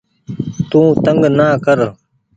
تو تنگ نآ ڪر